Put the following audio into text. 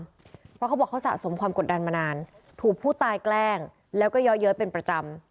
เพราะเขาบอกเขาสะสมความกดดันมานานถูกผู้ตายแกล้งแล้วก็เยอะเย้ยเป็นประจำ